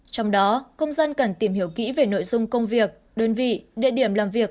trong đó công dân cần tìm hiểu kỹ về nội dung công việc đơn vị địa điểm làm việc